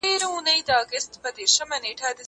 زه اوږده وخت سفر کوم!؟